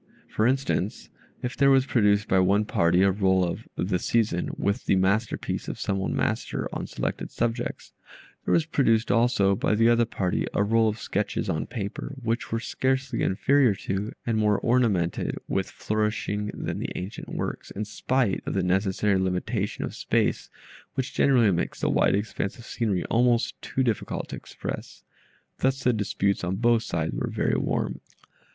For instance, if there was produced by one party a roll of "The Season," which was the masterpiece of some old master, on selected subjects; there was produced also, by the other party, a roll of sketches on paper, which were scarcely inferior to, and more ornamented with flourishing than the ancient works, in spite of the necessary limitation of space which generally makes the wide expanse of scenery almost too difficult to express. Thus the disputes on both sides were very warm.